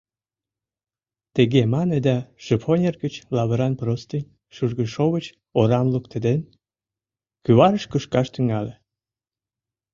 Тыге мане да, шифоньер гыч лавыран простынь, шӱргышовыч орам луктеден, кӱварыш кышкаш тӱҥале.